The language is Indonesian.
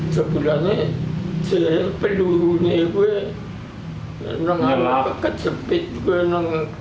sebulannya saya peluhnya gue nangis kejepit waktu ulang